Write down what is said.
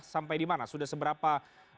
sampai di mana sudah seberapa